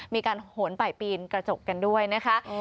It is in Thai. มีการโหนไปปีนกระจกกันด้วยนะคะ